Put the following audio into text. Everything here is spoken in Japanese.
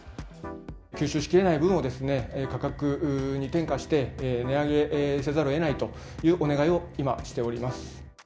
吸収しきれない分を価格に転嫁して、値上げせざるをえないというお願いを今、しております。